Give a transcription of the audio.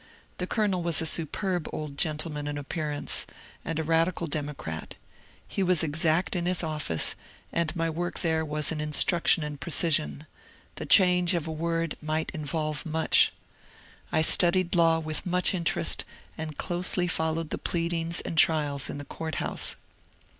The colonel was a superb old gentleman in appearance, and a radical Democrat. He was exact in his office, and my work there was an instruction in precision ; the change of a word might in volve much. I studied law with much interest, and closely followed the pleadings and trials in the court house.